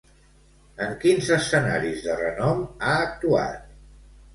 En quins escenaris de renom ha actuat?